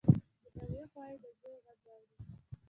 د هغې خوا يې د زوی غږ واورېد.